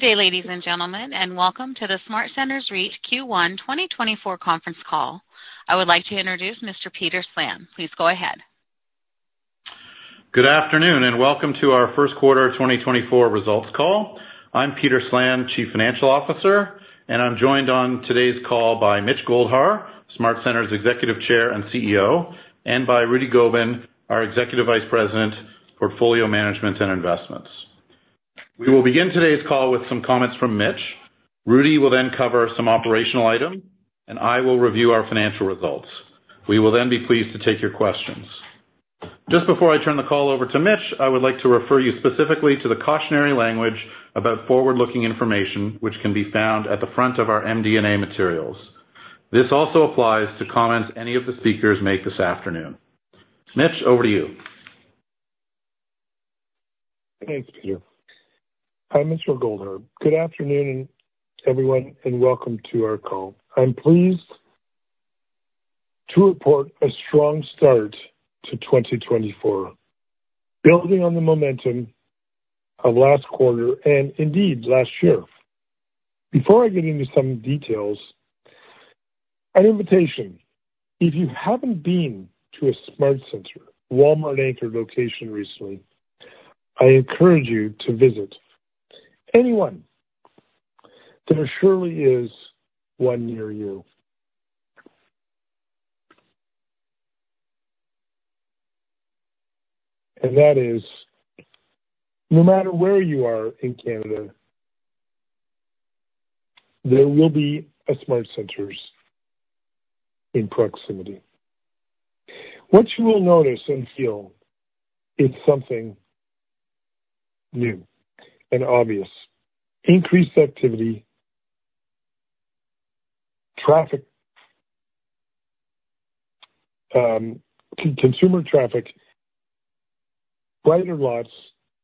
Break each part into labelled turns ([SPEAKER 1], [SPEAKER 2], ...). [SPEAKER 1] Good day, ladies and gentlemen, and welcome to the SmartCentres REIT Q1 2024 conference call. I would like to introduce Mr. Peter Slan. Please go ahead.
[SPEAKER 2] Good afternoon and welcome to our first quarter 2024 results call. I'm Peter Slan, Chief Financial Officer, and I'm joined on today's call by Mitch Goldhar, SmartCentres Executive Chair and CEO, and by Rudy Gobin, our Executive Vice President, Portfolio Management and Investments. We will begin today's call with some comments from Mitch. Rudy will then cover some operational items, and I will review our financial results. We will then be pleased to take your questions. Just before I turn the call over to Mitch, I would like to refer you specifically to the cautionary language about forward-looking information, which can be found at the front of our MD&A materials. This also applies to comments any of the speakers make this afternoon. Mitch, over to you.
[SPEAKER 3] Thanks, Peter. Hi, Mitchell Goldhar. Good afternoon, everyone, and welcome to our call. I'm pleased to report a strong start to 2024, building on the momentum of last quarter and, indeed, last year. Before I get into some details, an invitation: if you haven't been to a SmartCentres Walmart-anchored location recently, I encourage you to visit. Anyway, there surely is one near you. And that is, no matter where you are in Canada, there will be SmartCentres in proximity. What you will notice and feel is something new and obvious: increased activity, traffic, consumer traffic, brighter lots,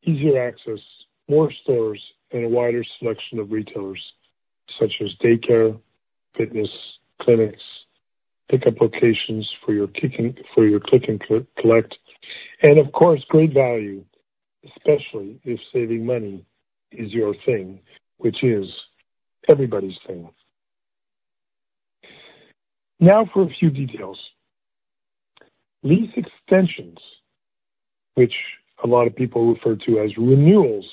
[SPEAKER 3] easier access, more stores, and a wider selection of retailers such as daycare, fitness clinics, pickup locations for your click-and-collect, and of course, great value, especially if saving money is your thing, which is everybody's thing. Now for a few details. Lease extensions, which a lot of people refer to as renewals,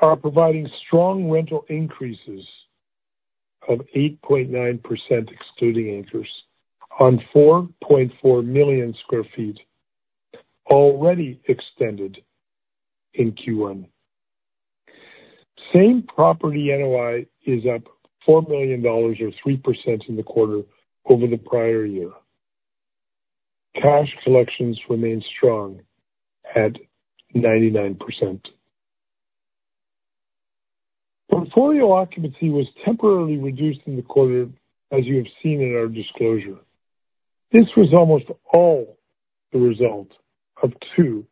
[SPEAKER 3] are providing strong rental increases of 8.9% excluding anchors on 4.4 million sq ft already extended in Q1. Same property NOI is up 4 million dollars or 3% in the quarter over the prior year. Cash collections remain strong at 99%. Portfolio occupancy was temporarily reduced in the quarter, as you have seen in our disclosure. This was almost all the result of two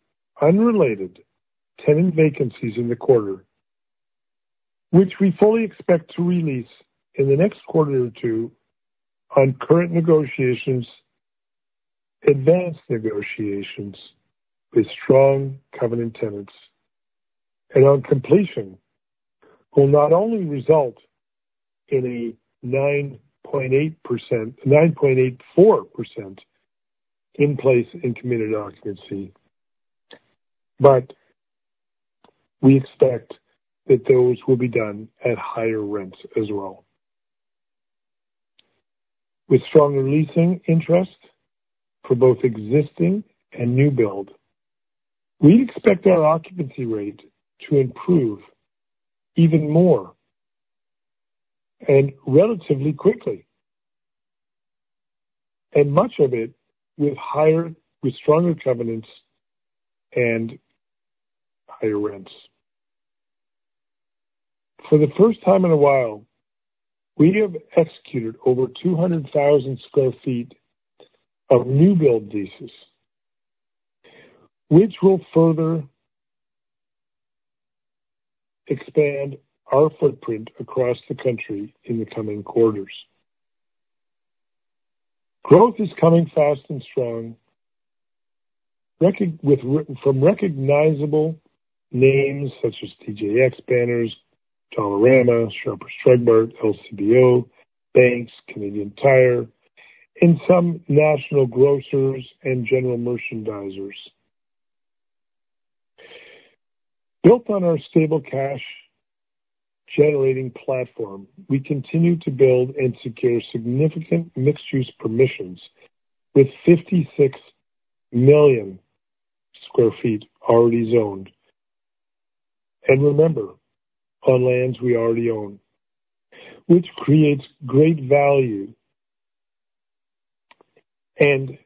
[SPEAKER 3] unrelated tenant vacancies in the quarter, which we fully expect to re-lease in the next quarter or two on current negotiations, advanced negotiations with strong covenant tenants, and on completion will not only result in a 98.4% in-place and committed occupancy, but we expect that those will be done at higher rents as well. With stronger leasing interest for both existing and new build, we expect our occupancy rate to improve even more and relatively quickly, and much of it with stronger covenants and higher rents. For the first time in a while, we have executed over 200,000 sq ft of new build leases, which will further expand our footprint across the country in the coming quarters. Growth is coming fast and strong from recognizable names such as TJX banners, Dollarama, Shoppers Drug Mart, LCBO, Scotiabank, Canadian Tire, and some national grocers and general merchandisers. Built on our stable cash-generating platform, we continue to build and secure significant mixed-use permissions with 56 million sq ft already zoned. And remember, on lands we already own, which creates great value and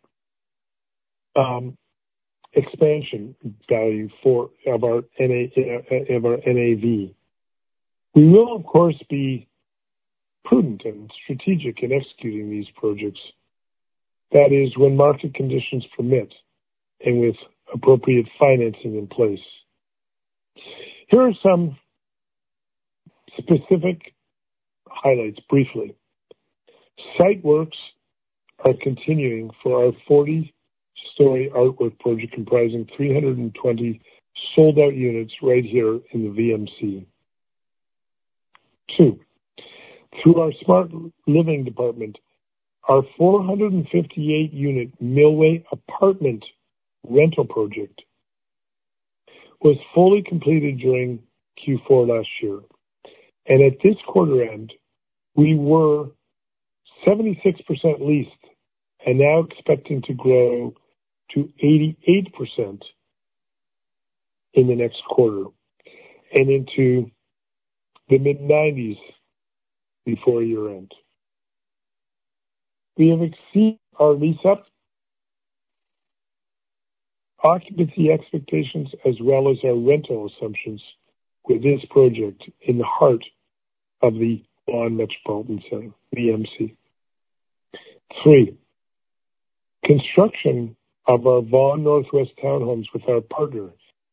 [SPEAKER 3] expansion value for our NAV. We will, of course, be prudent and strategic in executing these projects. That is, when market conditions permit and with appropriate financing in place. Here are some specific highlights briefly. Site works are continuing for our 40-story ArtWalk project comprising 320 sold-out units right here in the VMC. Two, through our SmartLiving department, our 458-unit Millway apartment rental project was fully completed during Q4 last year. And at this quarter-end, we were 76% leased and now expecting to grow to 88% in the next quarter and into the mid-90s before year-end. We have exceeded our lease-up occupancy expectations as well as our rental assumptions with this project in the heart of the Vaughan Metropolitan Centre, VMC. Three, construction of our Vaughan Northwest Townhomes with our partner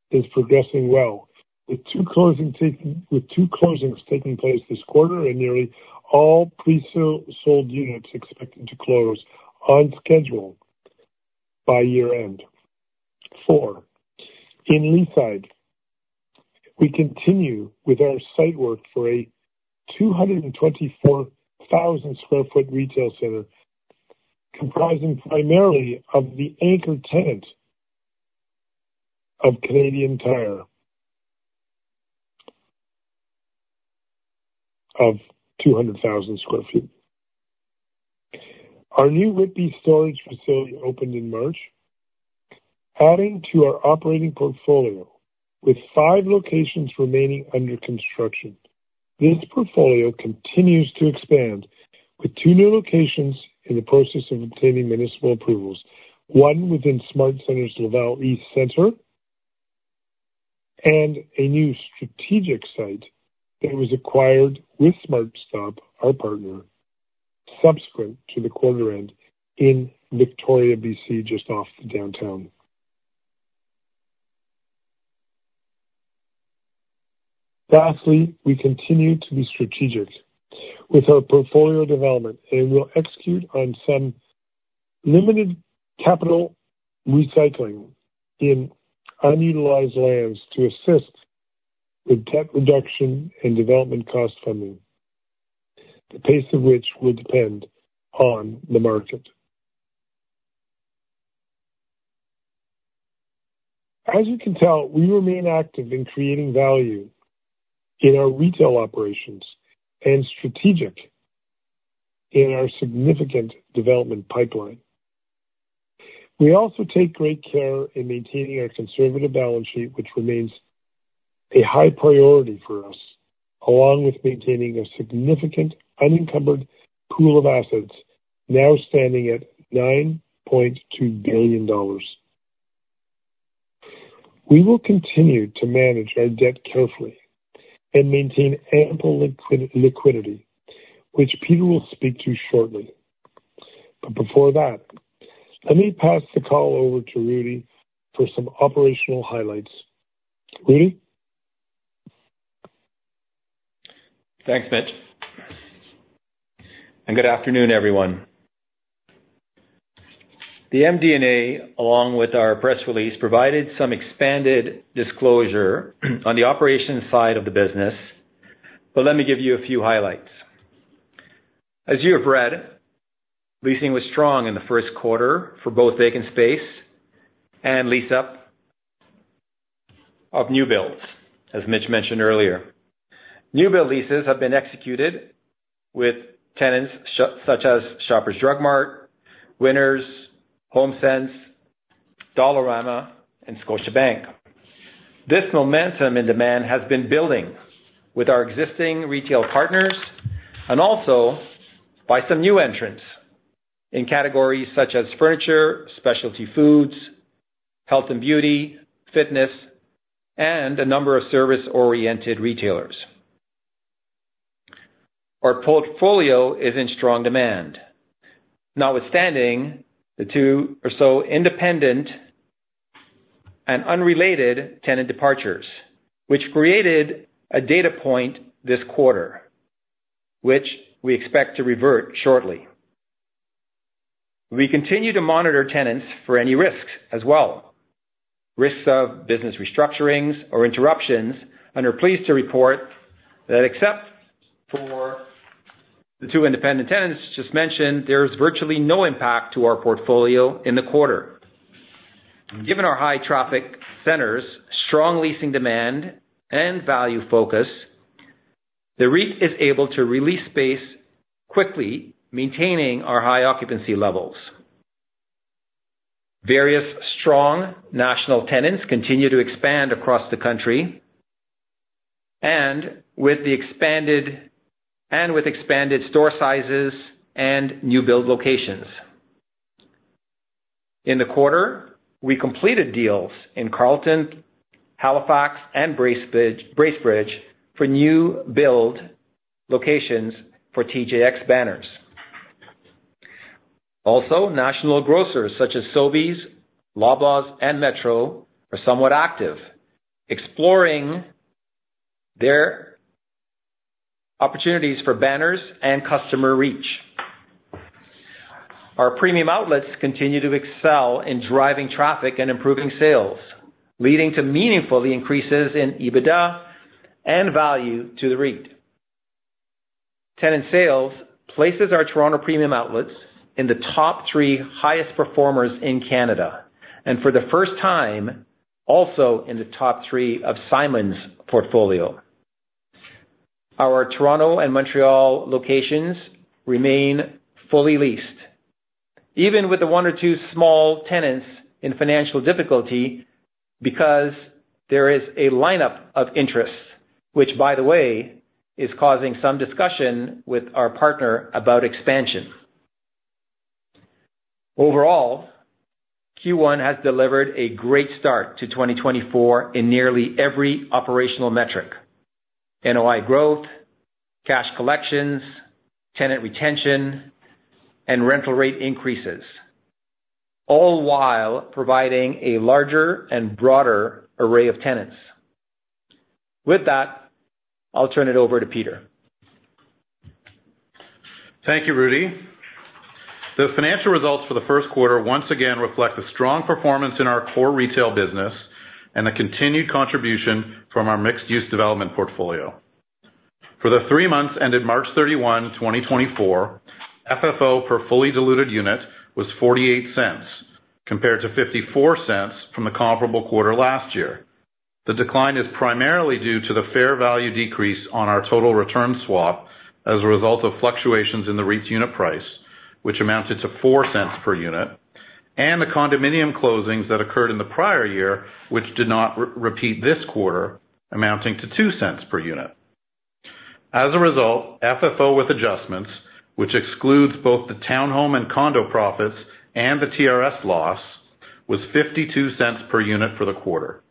[SPEAKER 3] is progressing well, with two closings taking place this quarter and nearly all presold units expected to close on schedule by year-end. Four, in Leaside, we continue with our site work for a 224,000 sq ft retail center comprising primarily of the anchor tenant of Canadian Tire of 200,000 sq ft. Our new Whitby storage facility opened in March, adding to our operating portfolio with five locations remaining under construction. This portfolio continues to expand with two new locations in the process of obtaining municipal approvals, one within SmartCentres Leaside East Centre and a new strategic site that was acquired with SmartStop, our partner, subsequent to the quarter-end in Victoria, BC, just off the downtown. Lastly, we continue to be strategic with our portfolio development and will execute on some limited capital recycling in unutilized lands to assist with debt reduction and development cost funding, the pace of which will depend on the market. As you can tell, we remain active in creating value in our retail operations and strategic in our significant development pipeline. We also take great care in maintaining our conservative balance sheet, which remains a high priority for us, along with maintaining a significant unencumbered pool of assets now standing at 9.2 billion dollars. We will continue to manage our debt carefully and maintain ample liquidity, which Peter will speak to shortly. But before that, let me pass the call over to Rudy for some operational highlights. Rudy?
[SPEAKER 4] Thanks, Mitch. Good afternoon, everyone. The MD&A, along with our press release, provided some expanded disclosure on the operations side of the business, but let me give you a few highlights. As you have read, leasing was strong in the first quarter for both vacant space and lease-up of new builds, as Mitch mentioned earlier. New build leases have been executed with tenants such as Shoppers Drug Mart, Winners, HomeSense, Dollarama, and Scotiabank. This momentum in demand has been building with our existing retail partners and also by some new entrants in categories such as furniture, specialty foods, health and beauty, fitness, and a number of service-oriented retailers. Our portfolio is in strong demand, notwithstanding the two or so independent and unrelated tenant departures, which created a data point this quarter, which we expect to revert shortly. We continue to monitor tenants for any risks as well, risks of business restructurings or interruptions, and are pleased to report that except for the two independent tenants just mentioned, there's virtually no impact to our portfolio in the quarter. Given our high traffic centers, strong leasing demand, and value focus, the REIT is able to release space quickly, maintaining our high occupancy levels. Various strong national tenants continue to expand across the country with expanded store sizes and new build locations. In the quarter, we completed deals in Carleton, Halifax, and Bracebridge for new build locations for TJX banners. Also, national grocers such as Sobeys, Loblaws, and Metro are somewhat active, exploring their opportunities for banners and customer reach. Our Premium Outlets continue to excel in driving traffic and improving sales, leading to meaningful increases in EBITDA and value to the REIT. Tenant sales places our Toronto Premium Outlets in the top three highest performers in Canada and, for the first time, also in the top three of Simon's portfolio. Our Toronto and Montreal locations remain fully leased, even with the one or two small tenants in financial difficulty because there is a lineup of interests, which, by the way, is causing some discussion with our partner about expansion. Overall, Q1 has delivered a great start to 2024 in nearly every operational metric: NOI growth, cash collections, tenant retention, and rental rate increases, all while providing a larger and broader array of tenants. With that, I'll turn it over to Peter.
[SPEAKER 2] Thank you, Rudy. The financial results for the first quarter once again reflect a strong performance in our core retail business and a continued contribution from our mixed-use development portfolio. For the three months ended March 31, 2024, FFO per fully diluted unit was 0.48 compared to 0.54 from the comparable quarter last year. The decline is primarily due to the fair value decrease on our total return swap as a result of fluctuations in the REIT unit price, which amounted to 0.04 per unit, and the condominium closings that occurred in the prior year, which did not repeat this quarter, amounting to 0.02 per unit. As a result, FFO with adjustments, which excludes both the townhome and condo profits and the TRS loss, was 0.52 per unit for the quarter.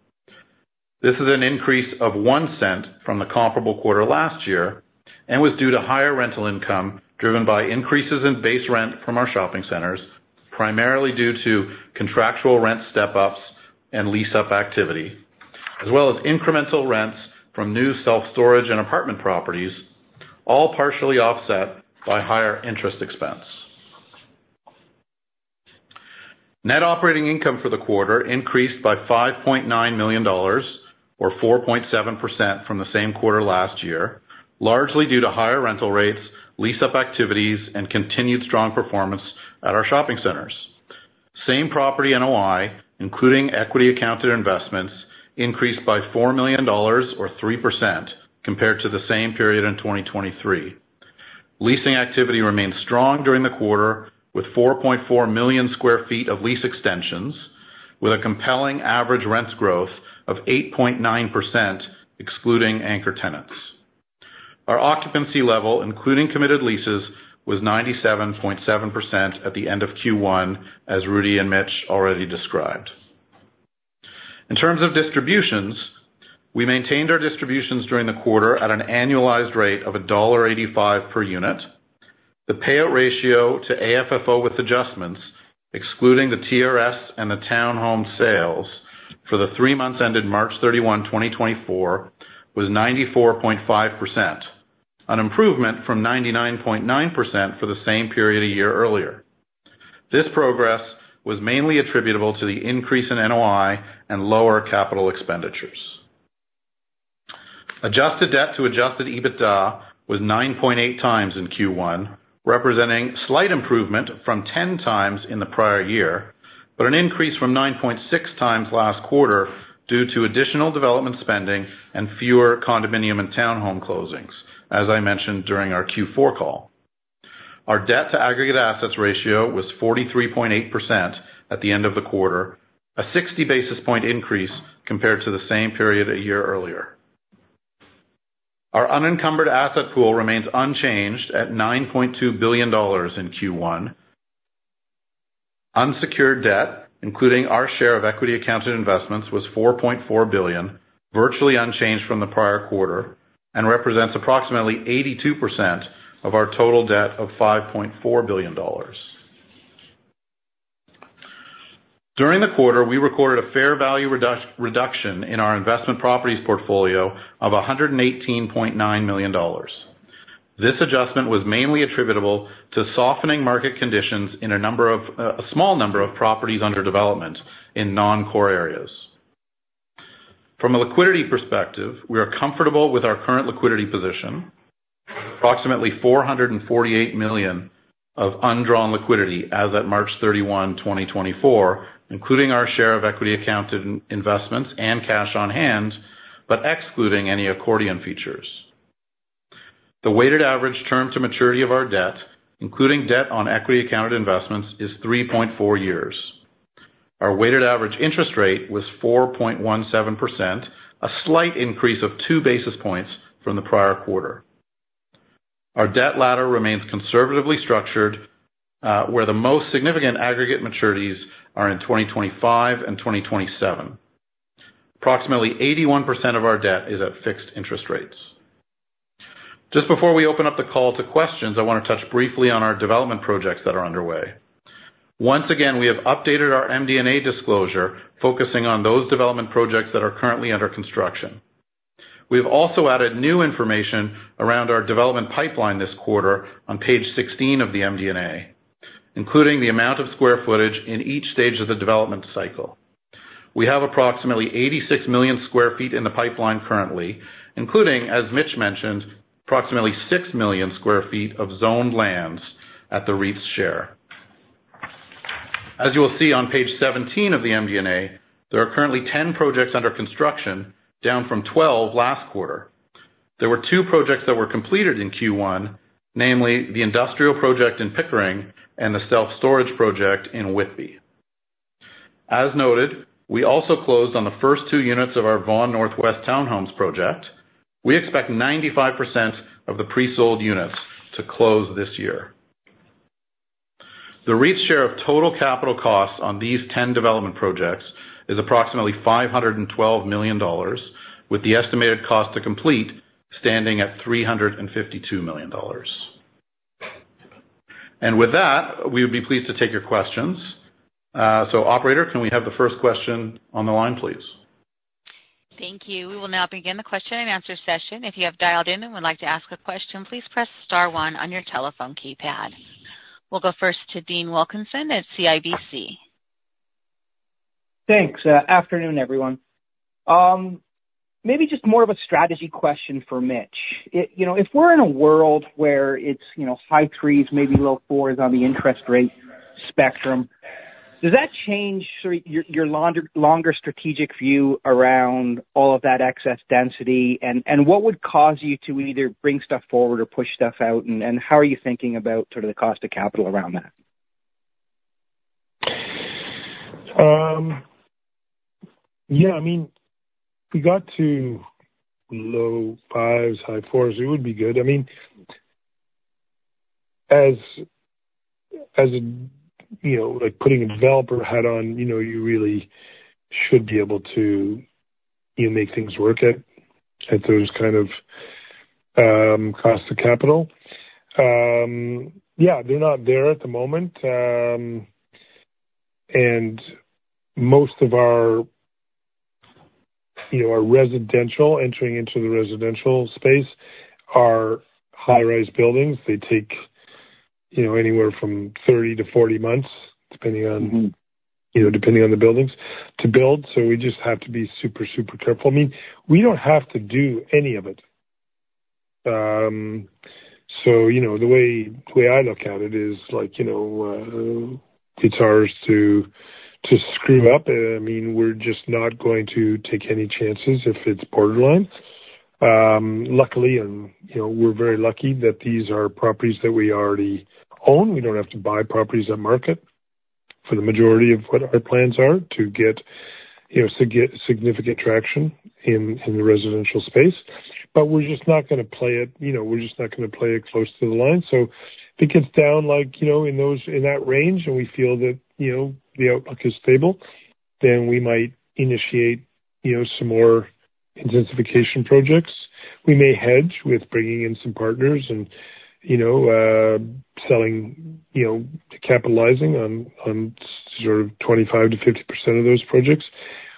[SPEAKER 2] This is an increase of 0.01 from the comparable quarter last year and was due to higher rental income driven by increases in base rent from our shopping centers, primarily due to contractual rent step-ups and lease-up activity, as well as incremental rents from new self-storage and apartment properties, all partially offset by higher interest expense. Net operating income for the quarter increased by 5.9 million dollars or 4.7% from the same quarter last year, largely due to higher rental rates, lease-up activities, and continued strong performance at our shopping centers. Same property NOI, including equity accounted investments, increased by 4 million dollars or 3% compared to the same period in 2023. Leasing activity remained strong during the quarter with 4.4 million sq ft of lease extensions, with a compelling average rents growth of 8.9% excluding anchor tenants. Our occupancy level, including committed leases, was 97.7% at the end of Q1, as Rudy and Mitch already described. In terms of distributions, we maintained our distributions during the quarter at an annualized rate of dollar 1.85 per unit. The payout ratio to AFFO with adjustments, excluding the TRS and the townhome sales for the three months ended March 31, 2024, was 94.5%, an improvement from 99.9% for the same period a year earlier. This progress was mainly attributable to the increase in NOI and lower capital expenditures. Adjusted debt to adjusted EBITDA was 9.8x in Q1, representing slight improvement from 10x in the prior year but an increase from 9.6x last quarter due to additional development spending and fewer condominium and townhome closings, as I mentioned during our Q4 call. Our debt to aggregate assets ratio was 43.8% at the end of the quarter, a 60 basis point increase compared to the same period a year earlier. Our unencumbered asset pool remains unchanged at 9.2 billion dollars in Q1. Unsecured debt, including our share of equity accounted investments, was 4.4 billion, virtually unchanged from the prior quarter, and represents approximately 82% of our total debt of 5.4 billion dollars. During the quarter, we recorded a fair value reduction in our investment properties portfolio of 118.9 million dollars. This adjustment was mainly attributable to softening market conditions in a small number of properties under development in non-core areas. From a liquidity perspective, we are comfortable with our current liquidity position, approximately 448 million of undrawn liquidity as of March 31, 2024, including our share of equity accounted investments and cash on hand but excluding any accordion features. The weighted average term to maturity of our debt, including debt on equity accounted investments, is 3.4 years. Our weighted average interest rate was 4.17%, a slight increase of two basis points from the prior quarter. Our debt ladder remains conservatively structured, where the most significant aggregate maturities are in 2025 and 2027. Approximately 81% of our debt is at fixed interest rates. Just before we open up the call to questions, I want to touch briefly on our development projects that are underway. Once again, we have updated our MD&A disclosure focusing on those development projects that are currently under construction. We have also added new information around our development pipeline this quarter on page 16 of the MD&A, including the amount of square footage in each stage of the development cycle. We have approximately 86 million sq ft in the pipeline currently, including, as Mitch mentioned, approximately 6 million sq ft of zoned lands at the REIT's share. As you will see on page 17 of the MD&A, there are currently 10 projects under construction, down from 12 last quarter. There were two projects that were completed in Q1, namely the industrial project in Pickering and the self-storage project in Whitby. As noted, we also closed on the first two units of our Vaughan Northwest Townhomes project. We expect 95% of the pre-sold units to close this year. The REIT share of total capital costs on these 10 development projects is approximately 512 million dollars, with the estimated cost to complete standing at 352 million dollars. With that, we would be pleased to take your questions. Operator, can we have the first question on the line, please?
[SPEAKER 1] Thank you. We will now begin the question and answer session. If you have dialed in and would like to ask a question, please press star one on your telephone keypad. We'll go first to Dean Wilkinson at CIBC.
[SPEAKER 5] Thanks. Afternoon, everyone. Maybe just more of a strategy question for Mitch. If we're in a world where it's high threes, maybe low fours on the interest rate spectrum, does that change your longer strategic view around all of that excess density? And what would cause you to either bring stuff forward or push stuff out? And how are you thinking about sort of the cost of capital around that?
[SPEAKER 3] Yeah. I mean, if we got to low fives, high fours, it would be good. I mean, as putting a developer hat on, you really should be able to make things work at those kind of costs of capital. Yeah, they're not there at the moment. Most of our residential, entering into the residential space, are high-rise buildings. They take anywhere from 30-40 months, depending on the buildings, to build. So we just have to be super, super careful. I mean, we don't have to do any of it. So the way I look at it is it's ours to screw up. I mean, we're just not going to take any chances if it's borderline. Luckily, and we're very lucky that these are properties that we already own. We don't have to buy properties on market for the majority of what our plans are to get significant traction in the residential space. But we're just not going to play it we're just not going to play it close to the line. So if it gets down in that range and we feel that the outlook is stable, then we might initiate some more intensification projects. We may hedge with bringing in some partners and capitalizing on sort of 25%-50% of those projects.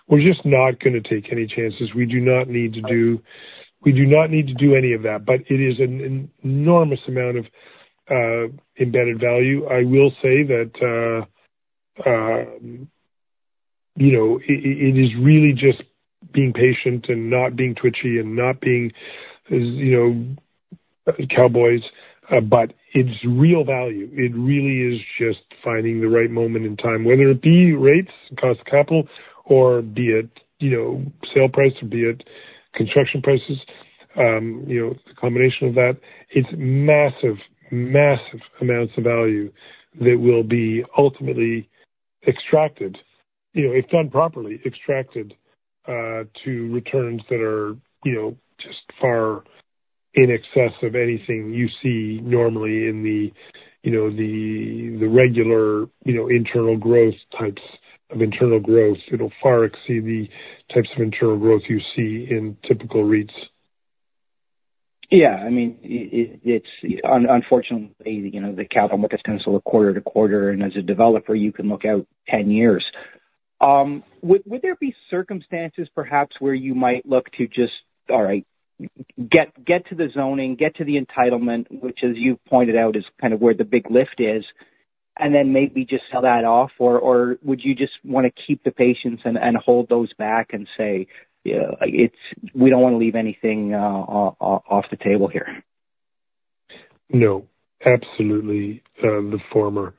[SPEAKER 3] We're just not going to take any chances. We do not need to do we do not need to do any of that. But it is an enormous amount of embedded value. I will say that it is really just being patient and not being twitchy and not being cowboys. But it's real value. It really is just finding the right moment in time, whether it be rates, cost of capital, or be it sale price or be it construction prices, the combination of that. It's massive, massive amounts of value that will be ultimately extracted, if done properly, extracted to returns that are just far in excess of anything you see normally in the regular internal growth types of internal growth. It'll far exceed the types of internal growth you see in typical REITs.
[SPEAKER 5] Yeah. I mean, unfortunately, the capital markets can still look quarter to quarter. And as a developer, you can look out 10 years. Would there be circumstances, perhaps, where you might look to just, "All right, get to the zoning, get to the entitlement," which, as you've pointed out, is kind of where the big lift is, and then maybe just sell that off? Or would you just want to keep the patience and hold those back and say, "We don't want to leave anything off the table here"?
[SPEAKER 3] No, absolutely, the former.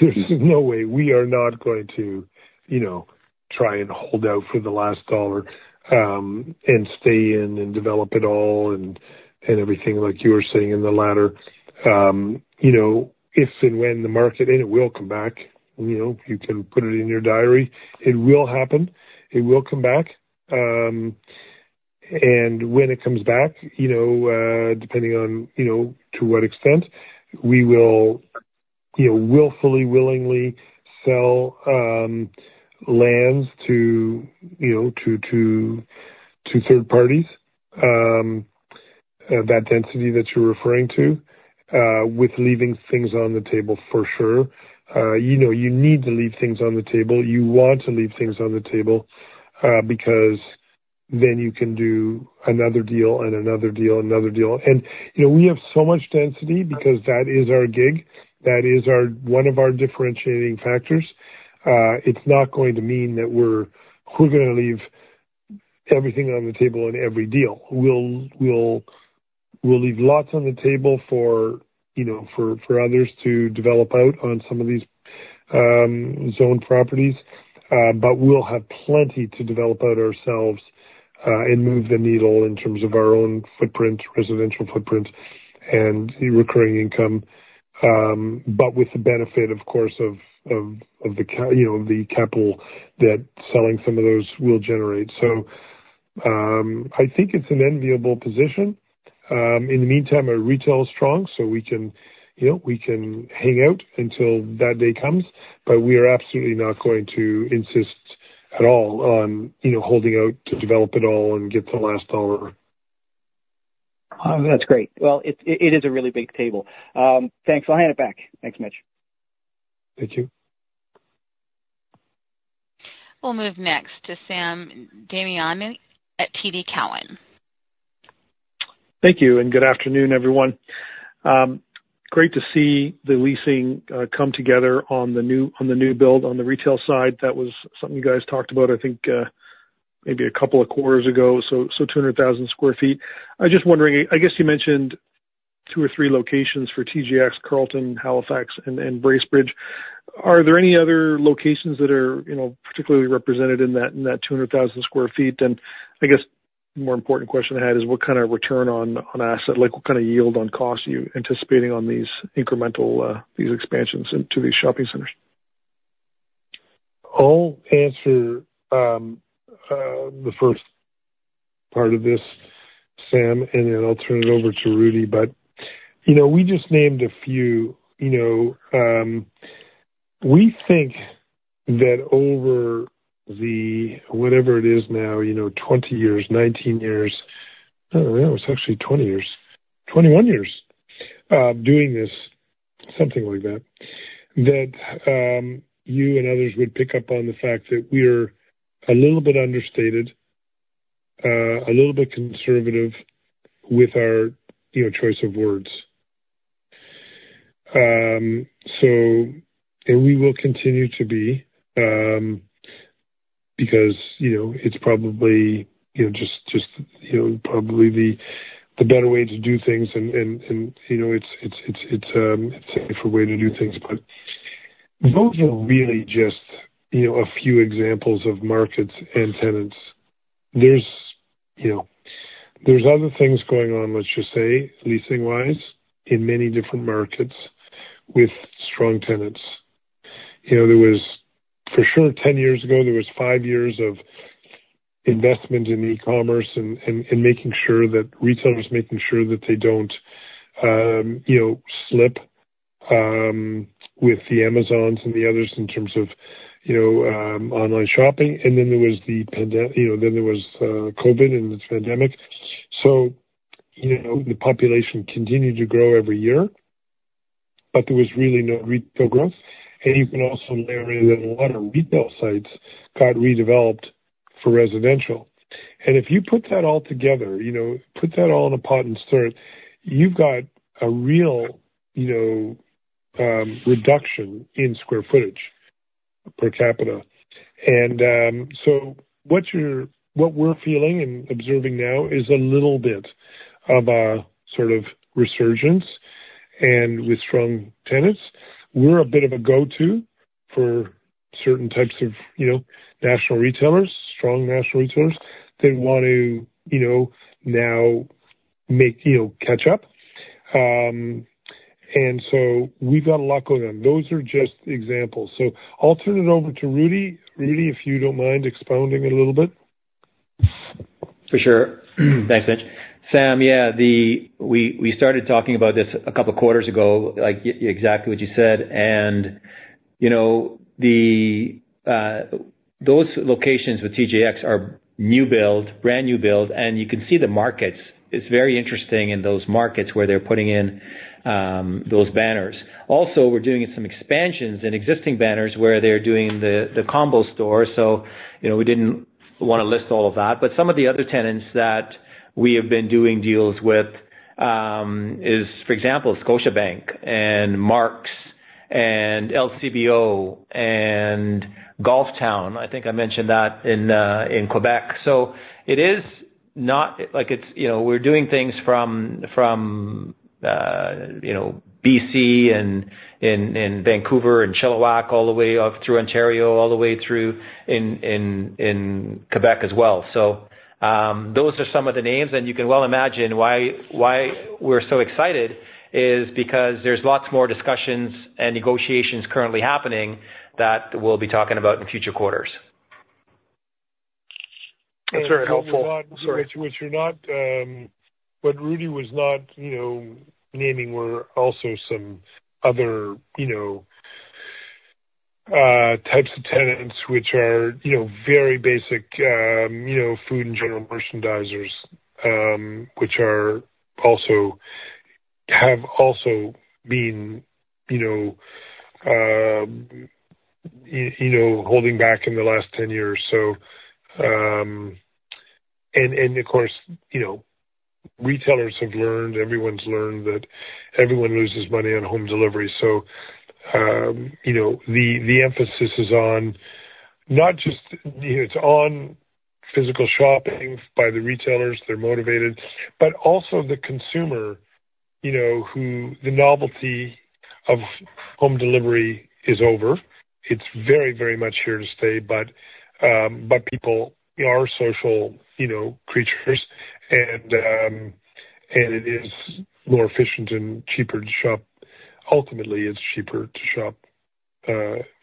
[SPEAKER 3] There's no way. We are not going to try and hold out for the last dollar and stay in and develop it all and everything, like you were saying, in the ladder. If and when the market and it will come back. You can put it in your diary. It will happen. It will come back. And when it comes back, depending on to what extent, we will willfully, willingly sell lands to third parties, that density that you're referring to, with leaving things on the table for sure. You need to leave things on the table. You want to leave things on the table because then you can do another deal and another deal and another deal. And we have so much density because that is our gig. That is one of our differentiating factors. It's not going to mean that we're going to leave everything on the table in every deal. We'll leave lots on the table for others to develop out on some of these zoned properties. But we'll have plenty to develop out ourselves and move the needle in terms of our own footprint, residential footprint, and recurring income, but with the benefit, of course, of the capital that selling some of those will generate. So I think it's an enviable position. In the meantime, our retail is strong, so we can hang out until that day comes. But we are absolutely not going to insist at all on holding out to develop it all and get the last dollar.
[SPEAKER 5] That's great. Well, it is a really big table. Thanks. I'll hand it back. Thanks, Mitch.
[SPEAKER 3] Thank you.
[SPEAKER 1] We'll move next to Sam Damiani at TD Cowen.
[SPEAKER 6] Thank you. And good afternoon, everyone. Great to see the leasing come together on the new build on the retail side. That was something you guys talked about, I think, maybe a couple of quarters ago, so 200,000 sq ft. I guess you mentioned two or three locations for TJX, Carleton Place, Halifax, and Bracebridge. Are there any other locations that are particularly represented in that 200,000 sq ft? And I guess the more important question I had is what kind of return on asset, what kind of yield on cost are you anticipating on these incremental expansions into these shopping centers?
[SPEAKER 3] I'll answer the first part of this, Sam, and then I'll turn it over to Rudy. But we just named a few. We think that over the whatever it is now, 20 years, 19 years oh, yeah, it was actually 20 years, 21 years doing this, something like that, that you and others would pick up on the fact that we are a little bit understated, a little bit conservative with our choice of words. And we will continue to be because it's probably just probably the better way to do things, and it's a safer way to do things. But those are really just a few examples of markets and tenants. There's other things going on, let's just say, leasing-wise in many different markets with strong tenants. For sure, 10 years ago, there was 5 years of investment in e-commerce and making sure that retailers making sure that they don't slip with the Amazons and the others in terms of online shopping. And then there was COVID and the pandemic. So the population continued to grow every year, but there was really no retail growth. And you can also layer in that a lot of retail sites got redeveloped for residential. And if you put that all together, put that all in a pot and stir, you've got a real reduction in square footage per capita. And so what we're feeling and observing now is a little bit of a sort of resurgence with strong tenants. We're a bit of a go-to for certain types of national retailers, strong national retailers that want to now catch up. And so we've got a lot going on. Those are just examples. So I'll turn it over to Rudy. Rudy, if you don't mind expounding a little bit.
[SPEAKER 4] For sure. Thanks, Mitch. Sam, yeah, we started talking about this a couple of quarters ago, exactly what you said. And those locations with TJX are new build, brand new build. And you can see the markets. It's very interesting in those markets where they're putting in those banners. Also, we're doing some expansions in existing banners where they're doing the combo store. So we didn't want to list all of that. But some of the other tenants that we have been doing deals with is, for example, Scotiabank and Mark's and LCBO and Golf Town. I think I mentioned that in Quebec. So it is not we're doing things from BC and Vancouver and Chilliwack all the way through Ontario, all the way through in Quebec as well. So those are some of the names. You can well imagine why we're so excited is because there's lots more discussions and negotiations currently happening that we'll be talking about in future quarters.
[SPEAKER 6] That's very helpful.
[SPEAKER 3] What Rudy was not naming were also some other types of tenants which are very basic food and general merchandisers, which have also been holding back in the last 10 years. Of course, retailers have learned. Everyone's learned that everyone loses money on home delivery. So the emphasis is on not just it's on physical shopping by the retailers. They're motivated. But also the consumer, the novelty of home delivery is over. It's very, very much here to stay. But people are social creatures, and it is more efficient and cheaper to shop. Ultimately, it's cheaper to shop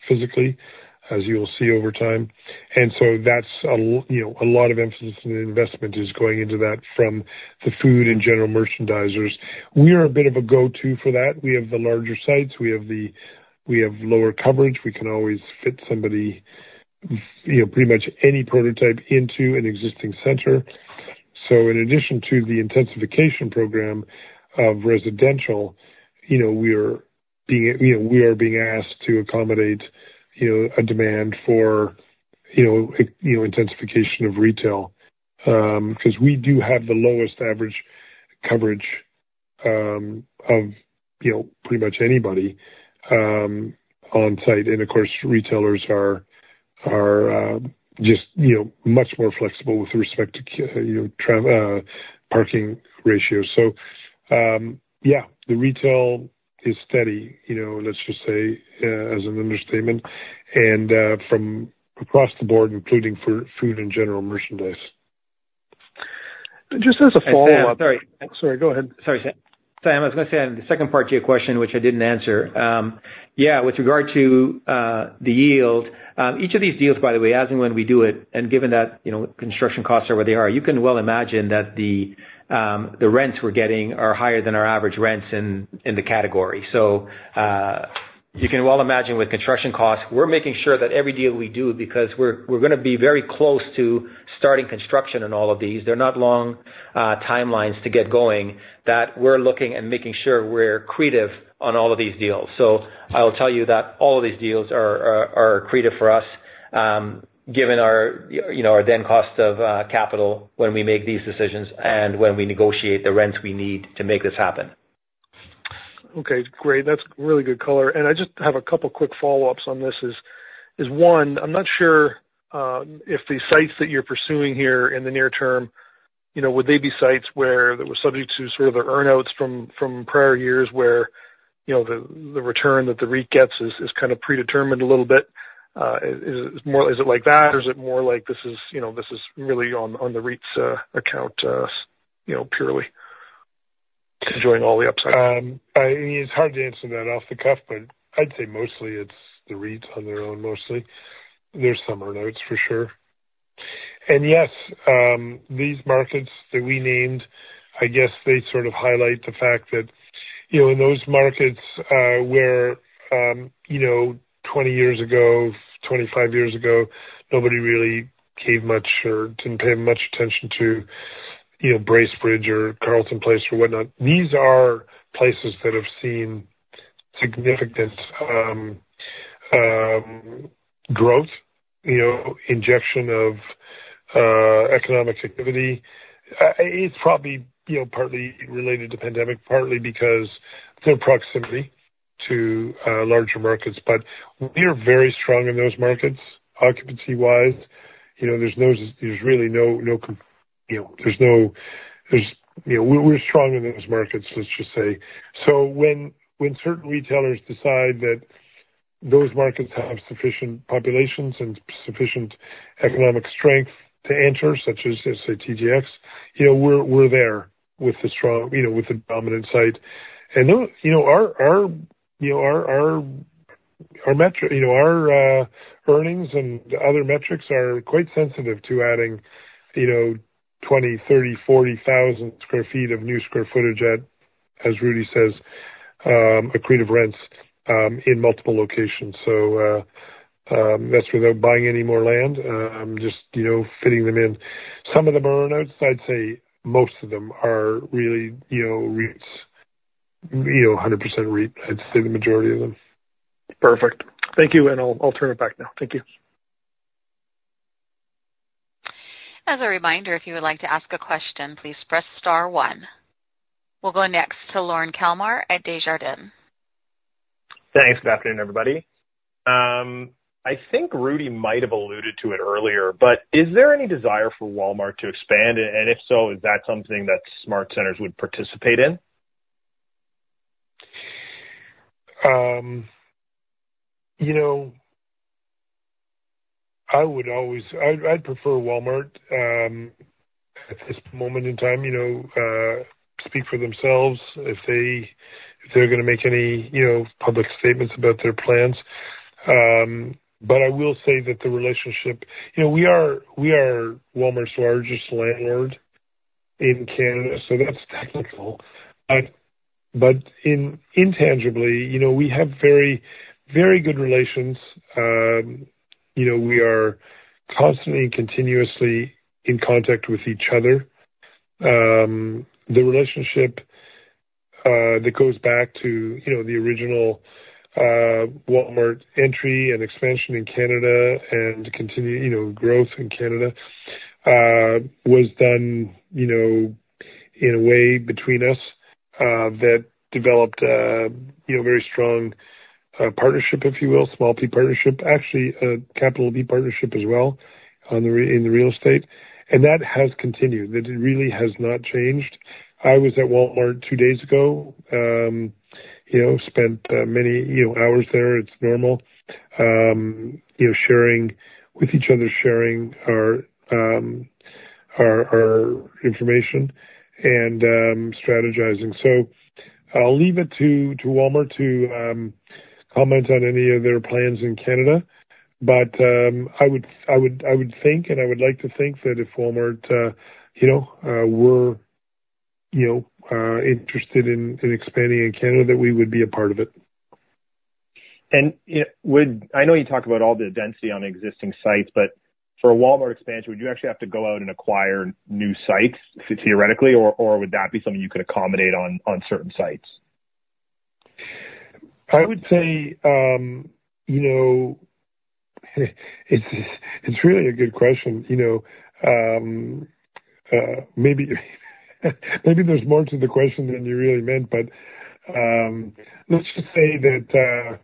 [SPEAKER 3] physically, as you will see over time. And so that's a lot of emphasis and investment is going into that from the food and general merchandisers. We are a bit of a go-to for that. We have the larger sites. We have lower coverage. We can always fit somebody, pretty much any prototype, into an existing center. So in addition to the intensification program of residential, we are being asked to accommodate a demand for intensification of retail because we do have the lowest average coverage of pretty much anybody on site. And of course, retailers are just much more flexible with respect to parking ratios. So yeah, the retail is steady, let's just say, as an understatement, and from across the board, including for food and general merchandise.
[SPEAKER 6] Just as a follow-up.
[SPEAKER 4] Sam, sorry.
[SPEAKER 6] Sorry. Go ahead.
[SPEAKER 4] Sorry, Sam. Sam, I was going to say in the second part to your question, which I didn't answer, yeah, with regard to the yield, each of these deals, by the way, as and when we do it, and given that construction costs are where they are, you can well imagine that the rents we're getting are higher than our average rents in the category. So you can well imagine with construction costs, we're making sure that every deal we do because we're going to be very close to starting construction in all of these - they're not long timelines to get going - that we're looking and making sure we're creative on all of these deals. I'll tell you that all of these deals are creative for us given our then cost of capital when we make these decisions and when we negotiate the rents we need to make this happen.
[SPEAKER 6] Okay. Great. That's really good color. I just have a couple of quick follow-ups on this is, one, I'm not sure if the sites that you're pursuing here in the near term, would they be sites where they were subject to sort of the earnouts from prior years where the return that the REIT gets is kind of predetermined a little bit? Is it like that, or is it more like this is really on the REIT's account purely, enjoying all the upside?
[SPEAKER 3] It's hard to answer that off the cuff, but I'd say mostly it's the REITs on their own, mostly. There's some earnouts for sure. And yes, these markets that we named, I guess they sort of highlight the fact that in those markets where 20 years ago, 25 years ago, nobody really gave much or didn't pay much attention to Bracebridge or Carleton Place or whatnot, these are places that have seen significant growth, injection of economic activity. It's probably partly related to pandemic, partly because they're proximity to larger markets. But we are very strong in those markets occupancy-wise. There's really no. We're strong in those markets, let's just say. So when certain retailers decide that those markets have sufficient populations and sufficient economic strength to enter, such as, say, TJX, we're there with the dominant site. Our earnings and other metrics are quite sensitive to adding 20,000, 30,000, 40,000 sq ft of new square footage at, as Rudy says, accretive rents in multiple locations. That's without buying any more land, just fitting them in. Some of them are earnouts. I'd say most of them are really REITs, 100% REIT. I'd say the majority of them.
[SPEAKER 6] Perfect. Thank you. I'll turn it back now. Thank you.
[SPEAKER 1] As a reminder, if you would like to ask a question, please press star one. We'll go next to Lorne Kalmar at Desjardins.
[SPEAKER 7] Thanks. Good afternoon, everybody. I think Rudy might have alluded to it earlier, but is there any desire for Walmart to expand? And if so, is that something that SmartCentres would participate in?
[SPEAKER 3] I'd prefer Walmart at this moment in time speak for themselves if they're going to make any public statements about their plans. But I will say that the relationship. We are Walmart's largest landlord in Canada, so that's technical. But intangibly, we have very, very good relations. We are constantly and continuously in contact with each other. The relationship that goes back to the original Walmart entry and expansion in Canada and continued growth in Canada was done in a way between us that developed a very strong partnership, if you will, small P partnership, actually a capital B partnership as well in the real estate. And that has continued. It really has not changed. I was at Walmart two days ago, spent many hours there. It's normal, sharing with each other, sharing our information and strategizing. I'll leave it to Walmart to comment on any of their plans in Canada. But I would think, and I would like to think, that if Walmart were interested in expanding in Canada, that we would be a part of it.
[SPEAKER 7] I know you talk about all the density on existing sites, but for a Walmart expansion, would you actually have to go out and acquire new sites, theoretically, or would that be something you could accommodate on certain sites?
[SPEAKER 3] I would say it's really a good question. Maybe there's more to the question than you really meant. But let's just say that,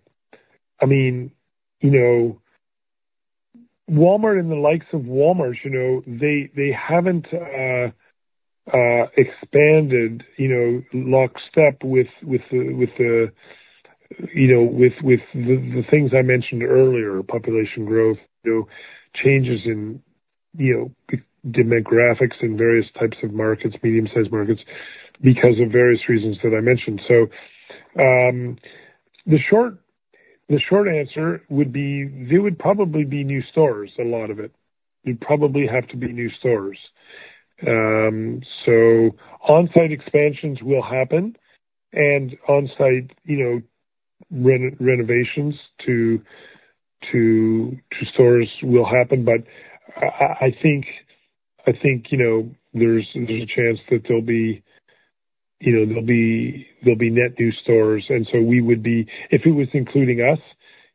[SPEAKER 3] I mean, Walmart and the likes of Walmart, they haven't expanded lockstep with the things I mentioned earlier, population growth, changes in demographics in various types of markets, medium-sized markets, because of various reasons that I mentioned. So the short answer would be there would probably be new stores, a lot of it. It'd probably have to be new stores. So on-site expansions will happen, and on-site renovations to stores will happen. But I think there's a chance that there'll be net new stores. And so we would be if it was including us,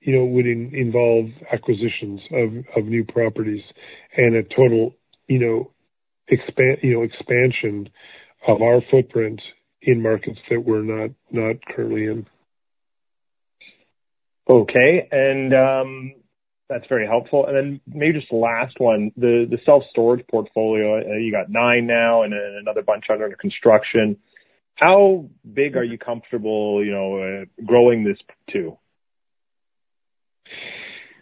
[SPEAKER 3] it would involve acquisitions of new properties and a total expansion of our footprint in markets that we're not currently in.
[SPEAKER 7] Okay. And that's very helpful. And then maybe just the last one, the self-storage portfolio, you got nine now and another bunch under construction. How big are you comfortable growing this to?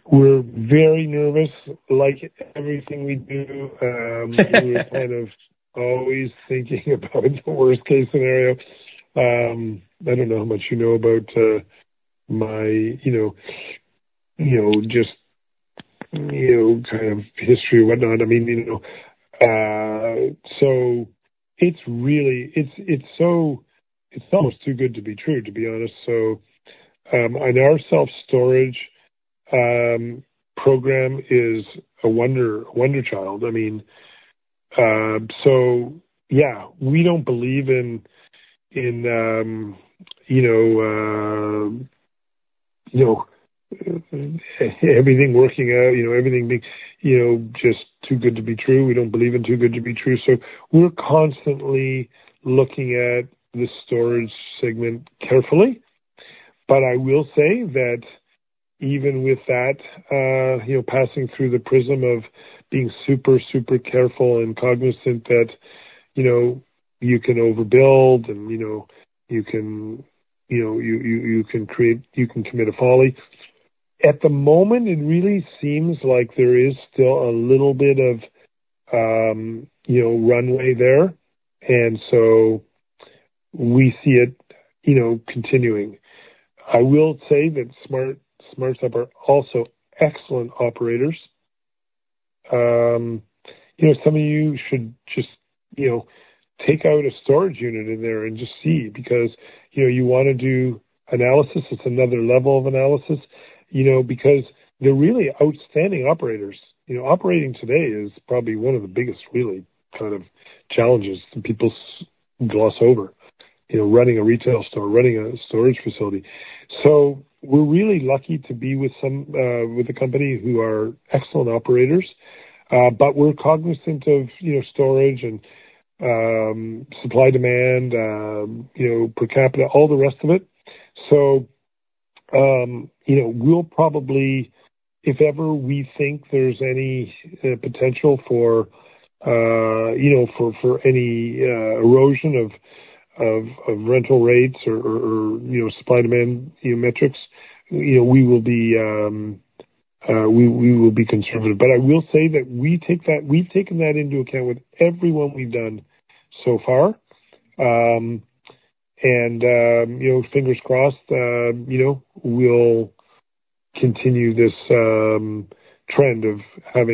[SPEAKER 3] We're very nervous. Like everything we do, we're kind of always thinking about the worst-case scenario. I don't know how much you know about my just kind of history or whatnot. I mean, so it's almost too good to be true, to be honest. Our self-storage program is a wonder child. I mean, so yeah, we don't believe in everything working out, everything being just too good to be true. We don't believe in too good to be true. We're constantly looking at the storage segment carefully. But I will say that even with that, passing through the prism of being super, super careful and cognizant that you can overbuild and you can commit a folly, at the moment, it really seems like there is still a little bit of runway there. And so we see it continuing. I will say that SmartCentres are also excellent operators. Some of you should just take out a storage unit in there and just see because you want to do analysis. It's another level of analysis because they're really outstanding operators. Operating today is probably one of the biggest, really, kind of challenges that people gloss over, running a retail store, running a storage facility. So we're really lucky to be with a company who are excellent operators. But we're cognizant of storage and supply demand, per capita, all the rest of it. So we'll probably, if ever we think there's any potential for any erosion of rental rates or supply demand metrics, we will be conservative. But I will say that we've taken that into account with everyone we've done so far. And fingers crossed, we'll continue this trend of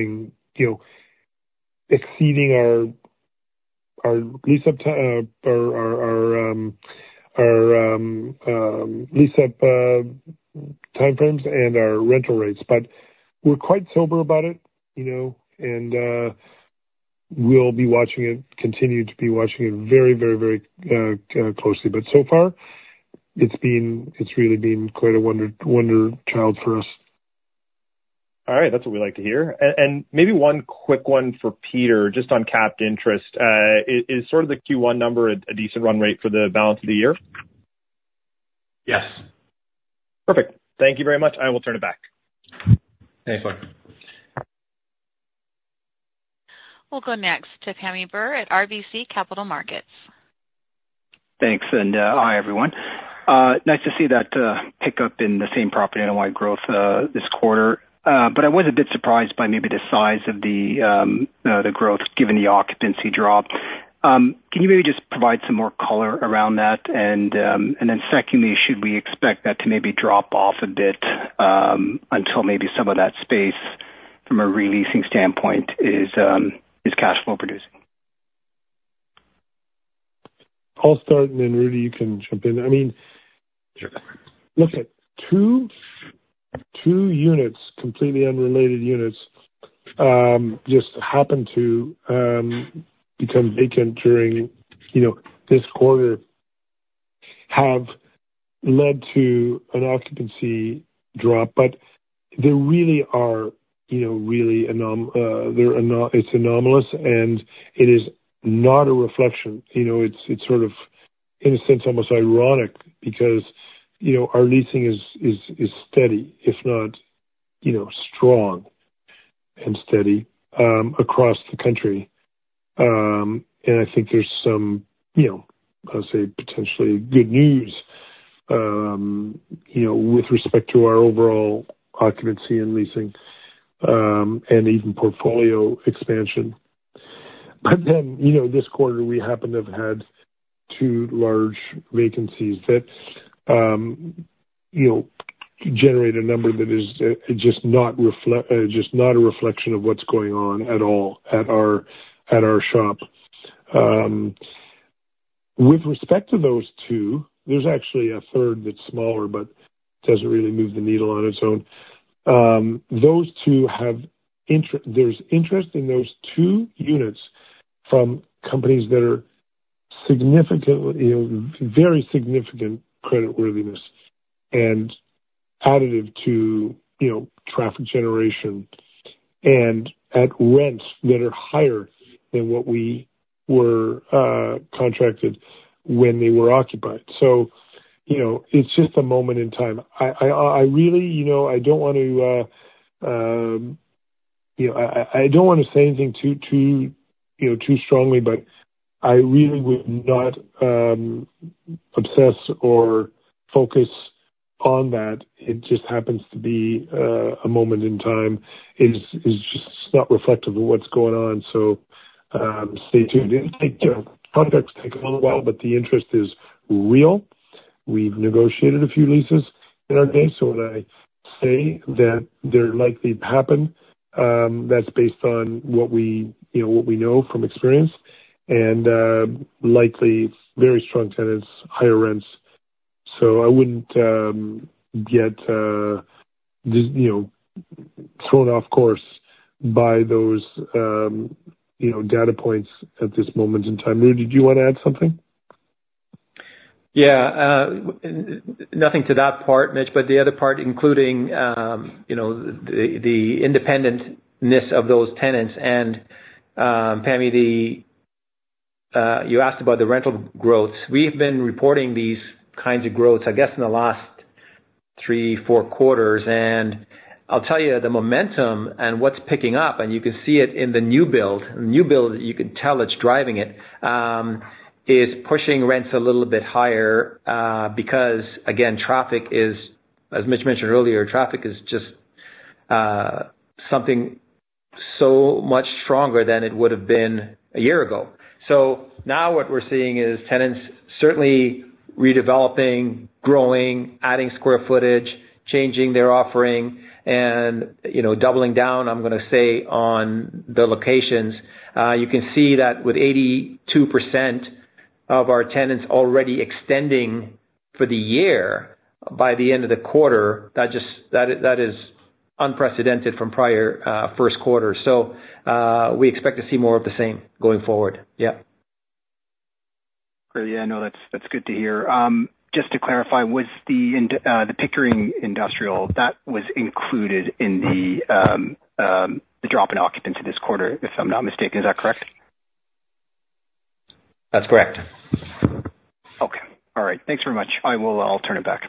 [SPEAKER 3] exceeding our lease-up timeframes and our rental rates. But we're quite sober about it. And we'll be watching it, continue to be watching it very, very, very closely. But so far, it's really been quite a wonder child for us.
[SPEAKER 7] All right. That's what we like to hear. Maybe one quick one for Peter, just on cap interest. Is sort of the Q1 number a decent run rate for the balance of the year?
[SPEAKER 2] Yes.
[SPEAKER 7] Perfect. Thank you very much. I will turn it back.
[SPEAKER 2] Thanks, Lauren.
[SPEAKER 1] We'll go next to Pammi Bir at RBC Capital Markets.
[SPEAKER 8] Thanks. And hi, everyone. Nice to see that pickup in the same-property NOI growth this quarter. But I was a bit surprised by maybe the size of the growth given the occupancy drop. Can you maybe just provide some more color around that? And then secondly, should we expect that to maybe drop off a bit until maybe some of that space, from a releasing standpoint, is cash flow producing?
[SPEAKER 3] I'll start, and then, Rudy, you can jump in. I mean, look, 2 units, completely unrelated units, just happened to become vacant during this quarter, have led to an occupancy drop. But they really are; really, it's anomalous, and it is not a reflection. It's sort of, in a sense, almost ironic because our leasing is steady, if not strong and steady, across the country. And I think there's some, I'll say, potentially good news with respect to our overall occupancy and leasing and even portfolio expansion. But then this quarter, we happen to have had 2 large vacancies that generate a number that is just not a reflection of what's going on at all at our shop. With respect to those two, there's actually a third that's smaller but doesn't really move the needle on its own. There's interest in those two units from companies that are very significant creditworthiness and additive to traffic generation and at rents that are higher than what we were contracted when they were occupied. So it's just a moment in time. I really I don't want to I don't want to say anything too strongly, but I really would not obsess or focus on that. It just happens to be a moment in time. It's just not reflective of what's going on. So stay tuned. Contacts take a little while, but the interest is real. We've negotiated a few leases in our day. So when I say that they're likely to happen, that's based on what we know from experience and likely very strong tenants, higher rents. So I wouldn't get thrown off course by those data points at this moment in time. Rudy, do you want to add something?
[SPEAKER 4] Yeah. Nothing to that part, Mitch. But the other part, including the independentness of those tenants and, Pammi, you asked about the rental growths. We've been reporting these kinds of growths, I guess, in the last three, four quarters. And I'll tell you, the momentum and what's picking up, and you can see it in the new build. In the new build, you can tell it's driving it, is pushing rents a little bit higher because, again, traffic is as Mitch mentioned earlier, traffic is just something so much stronger than it would have been a year ago. So now what we're seeing is tenants certainly redeveloping, growing, adding square footage, changing their offering, and doubling down, I'm going to say, on the locations. You can see that with 82% of our tenants already extending for the year by the end of the quarter, that is unprecedented from prior first quarter. So we expect to see more of the same going forward. Yeah.
[SPEAKER 8] Great. Yeah. No, that's good to hear. Just to clarify, was the Pickering industrial, that was included in the drop in occupancy this quarter, if I'm not mistaken? Is that correct?
[SPEAKER 4] That's correct.
[SPEAKER 8] Okay. All right. Thanks very much. I'll turn it back.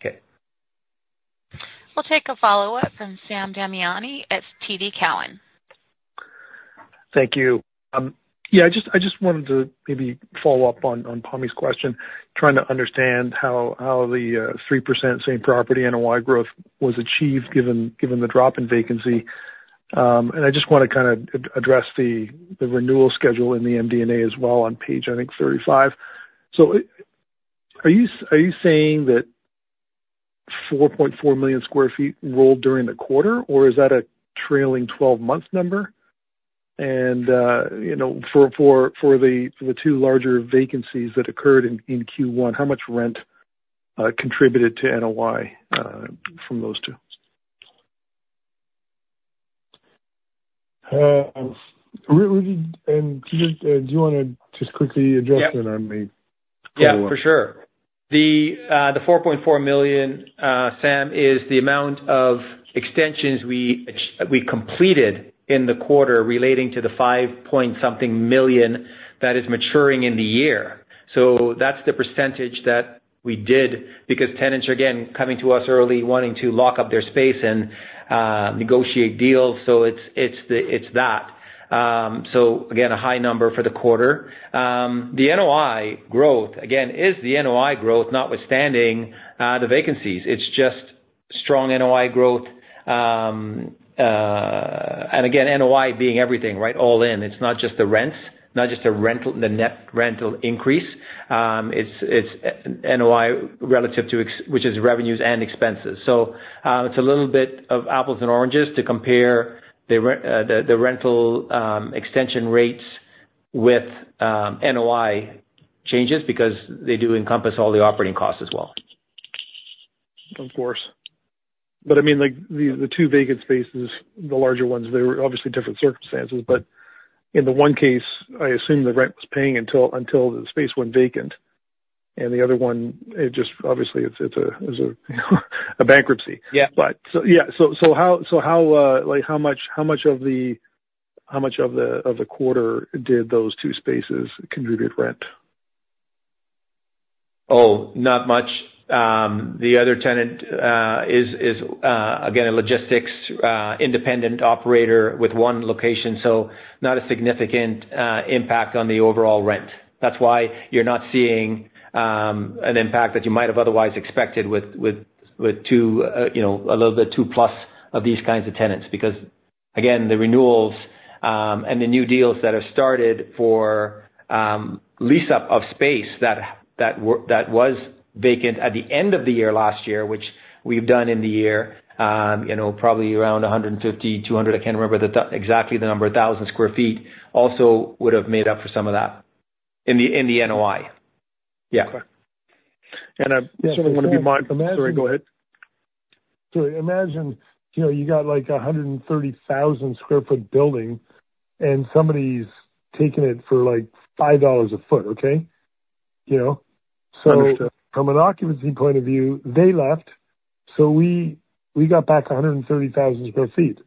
[SPEAKER 2] Okay.
[SPEAKER 1] We'll take a follow-up from Sam Damiani at TD Cowen.
[SPEAKER 6] Thank you. Yeah, I just wanted to maybe follow up on Pammi's question, trying to understand how the 3% same property NOI growth was achieved given the drop in vacancy. And I just want to kind of address the renewal schedule in the MD&A as well on page, I think, 35. So are you saying that 4.4 million sq ft rolled during the quarter, or is that a trailing 12-month number? And for the two larger vacancies that occurred in Q1, how much rent contributed to NOI from those two? Rudy, do you want to just quickly address that on the other one?
[SPEAKER 4] Yeah. For sure. The 4.4 million, Sam, is the amount of extensions we completed in the quarter relating to the 5.something million that is maturing in the year. So that's the percentage that we did because tenants, again, coming to us early, wanting to lock up their space and negotiate deals. So it's that. So again, a high number for the quarter. The NOI growth, again, is the NOI growth notwithstanding the vacancies. It's just strong NOI growth. And again, NOI being everything, right, all in. It's not just the rents, not just the net rental increase. It's NOI relative to which is revenues and expenses. So it's a little bit of apples and oranges to compare the rental extension rates with NOI changes because they do encompass all the operating costs as well.
[SPEAKER 6] Of course. But I mean, the two vacant spaces, the larger ones, they were obviously different circumstances. But in the one case, I assume the rent was paying until the space went vacant. And the other one, obviously, it's a bankruptcy. But yeah. So how much of the quarter did those two spaces contribute rent?
[SPEAKER 4] Oh, not much. The other tenant is, again, a logistics-independent operator with one location, so not a significant impact on the overall rent. That's why you're not seeing an impact that you might have otherwise expected with a little bit 2+ of these kinds of tenants because, again, the renewals and the new deals that have started for lease-up of space that was vacant at the end of the year last year, which we've done in the year, probably around 150-200, I can't remember exactly the number, 1,000 sq ft also would have made up for some of that in the NOI. Yeah.
[SPEAKER 6] Correct. And I sort of want to be sorry. Go ahead.
[SPEAKER 3] Sorry. Imagine you got like a 130,000-sq-ft building, and somebody's taking it for like 5 dollars a foot, okay? So from an occupancy point of view, they left. So we got back 130,000 sq ft.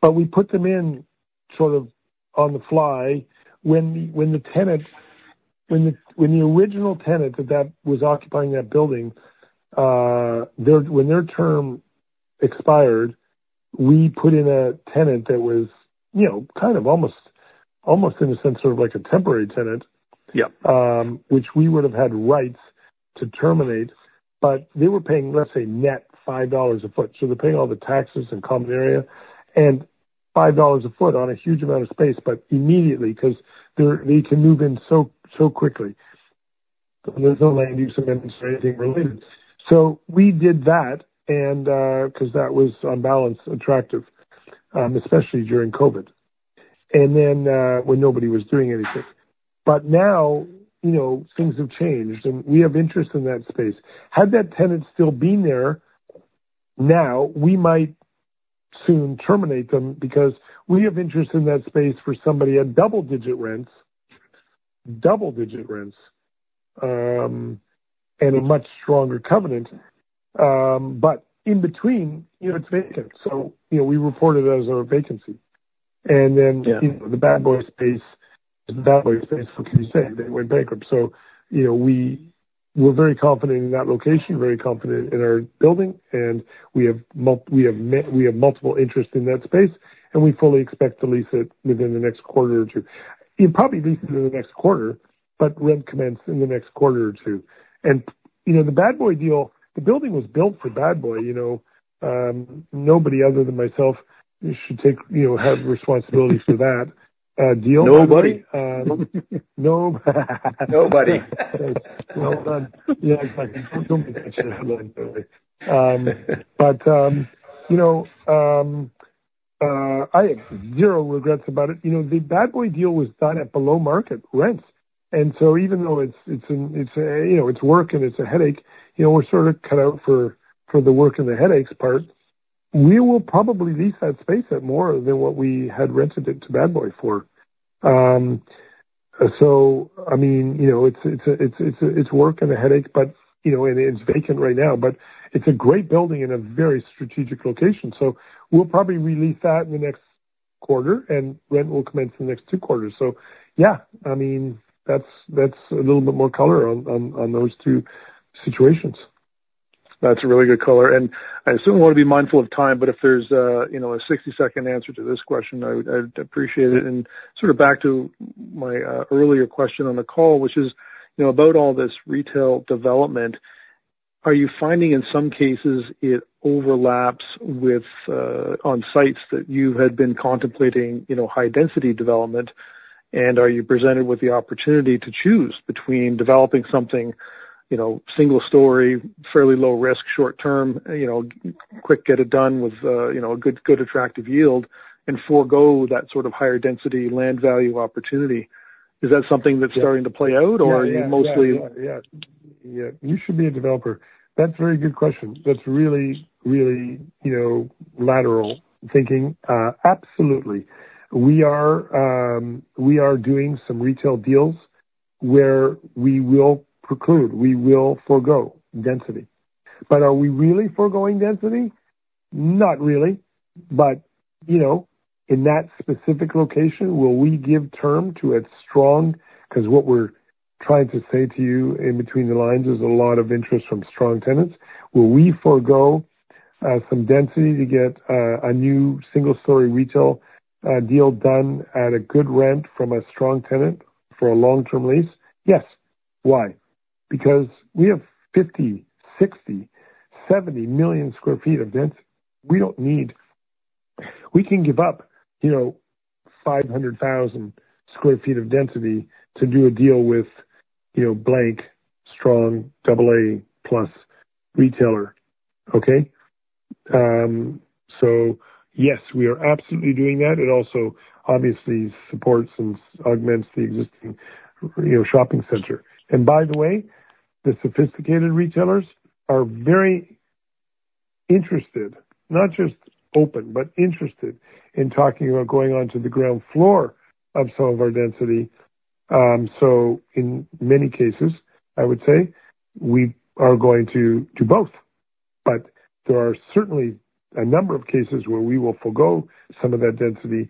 [SPEAKER 3] But we put them in sort of on the fly. When the original tenant that was occupying that building, when their term expired, we put in a tenant that was kind of almost, in a sense, sort of like a temporary tenant, which we would have had rights to terminate. But they were paying, let's say, net 5 dollars a foot. So they're paying all the taxes and common area and 5 dollars a foot on a huge amount of space, but immediately because they can move in so quickly. There's no land use amendments or anything related. So we did that because that was, on balance, attractive, especially during COVID and then when nobody was doing anything. But now things have changed, and we have interest in that space. Had that tenant still been there now, we might soon terminate them because we have interest in that space for somebody at double-digit rents, double-digit rents, and a much stronger covenant. But in between, it's vacant. So we reported it as a vacancy. Then the Bad Boy space is the Bad Boy space for, can you say, they went bankrupt. So we're very confident in that location, very confident in our building. And we have multiple interests in that space, and we fully expect to lease it within the next quarter or two. You probably lease it in the next quarter, but rent commenced in the next quarter or two. The Bad Boy deal, the building was built for Bad Boy. Nobody other than myself should have responsibility for that deal.
[SPEAKER 4] Nobody?
[SPEAKER 3] Nobody. Well done. Yeah, exactly. Don't tell me that you're headlining early. But I have zero regrets about it. The Bad Boy deal was done at below-market rents. And so even though it's work and it's a headache, we're sort of cut out for the work and the headaches part. We will probably lease that space at more than what we had rented it to Bad Boy for. So I mean, it's work and a headache, and it's vacant right now. But it's a great building in a very strategic location. So we'll probably release that in the next quarter, and rent will commence in the next two quarters. So yeah, I mean, that's a little bit more color on those two situations. That's a really good color. And I assume we want to be mindful of time, but if there's a 60-second answer to this question, I'd appreciate it. And sort of back to my earlier question on the call, which is about all this retail development, are you finding, in some cases, it overlaps on sites that you had been contemplating high-density development? And are you presented with the opportunity to choose between developing something single-story, fairly low-risk, short-term, quick, get-it-done with a good, attractive yield, and forego that sort of higher-density land value opportunity? Is that something that's starting to play out, or are you mostly? Yeah. Yeah. Yeah. You should be a developer. That's a very good question. That's really, really lateral thinking. Absolutely. We are doing some retail deals where we will preclude. We will forego density. But are we really foregoing density? Not really. In that specific location, will we give term to a strong, because what we're trying to say to you in between the lines is a lot of interest from strong tenants. Will we forego some density to get a new single-story retail deal done at a good rent from a strong tenant for a long-term lease? Yes. Why? Because we have 50, 60, 70 million sq ft of density. We don't need. We can give up 500,000 sq ft of density to do a deal with a strong, AA-plus retailer, okay? Yes, we are absolutely doing that. It also obviously supports and augments the existing shopping center. By the way, the sophisticated retailers are very interested, not just open, but interested in talking about going onto the ground floor of some of our density. In many cases, I would say, we are going to do both. But there are certainly a number of cases where we will forgo some of that density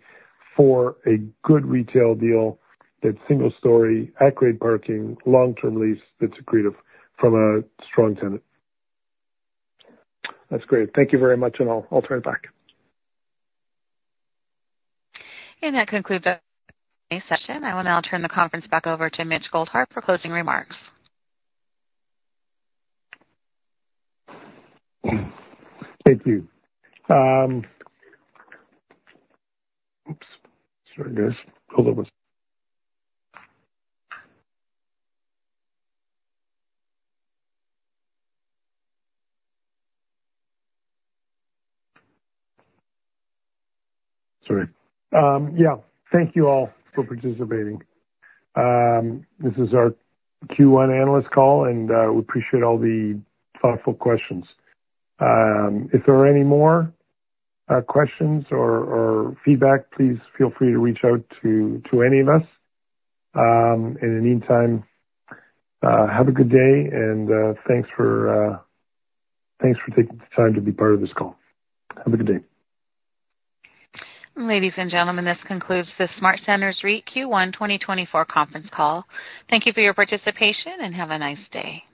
[SPEAKER 3] for a good retail deal that's single-story, at-grade parking, long-term lease that's agreed upon from a strong tenant.
[SPEAKER 6] That's great. Thank you very much, and I'll turn it back.
[SPEAKER 1] That concludes our session. I will now turn the conference back over to Mitch Goldhar for closing remarks.
[SPEAKER 3] Thank you. Oops. Sorry, guys. Hold on one second. Sorry. Yeah. Thank you all for participating. This is our Q1 analyst call, and we appreciate all the thoughtful questions. If there are any more questions or feedback, please feel free to reach out to any of us. In the meantime, have a good day, and thanks for taking the time to be part of this call. Have a good day.
[SPEAKER 1] Ladies and gentlemen, this concludes the SmartCentres REIT Q1 2024 conference call. Thank you for your participation, and have a nice day.